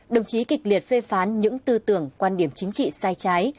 đồng chí kịch liệt phê phán những tư tưởng quan điểm chính trị sai trái